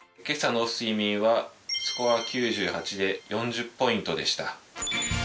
今朝の睡眠はスコア９８で４０ポイントでした。